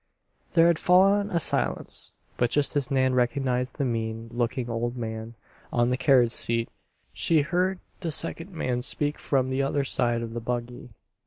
There had fallen a silence, but just as Nan recognized the mean looking old man on the carriage seat, she heard the second man speak from the other side of the buggy.